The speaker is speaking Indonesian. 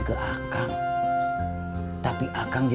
tapi akang jadi anak buah akang lagi